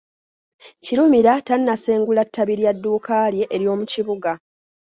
Kirumira tannasengula ttabi lya dduuka lye ery’omu kibuga.